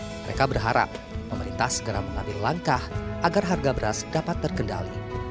mereka berharap pemerintah segera mengambil langkah agar harga beras dapat terkendali